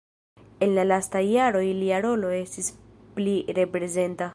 En la lastaj jaroj lia rolo estis pli reprezenta.